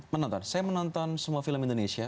menonton saya menonton semua film indonesia